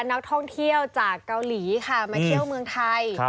นักท่องเที่ยวจากเกาหลีค่ะมาเที่ยวเมืองไทย